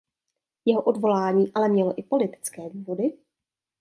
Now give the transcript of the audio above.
Jeho odvolání ale mělo i politické důvody.